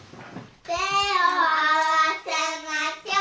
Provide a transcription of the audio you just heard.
手を合わせましょう。